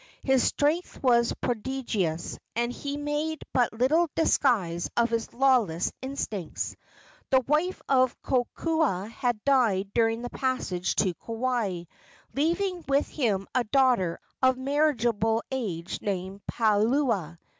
His strength was prodigious, and he made but little disguise of his lawless instincts. The wife of Kokoa had died during the passage to Kauai, leaving with him a daughter of marriageable age named Palua.